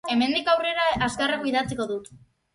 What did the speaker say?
Hemendik aurrera azkarrago idatziko dut.